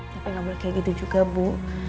tapi nggak boleh kayak gitu juga bu